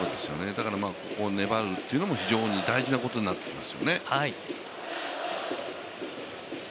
だからここを粘るというのも非常に大事なところになってきますよね。